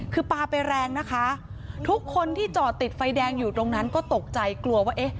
คือปลาไปแรงนะคะทุกคนที่จอดติดไฟแดงอยู่ตรงนั้นก็ตกใจกลัวว่าเอ๊ะ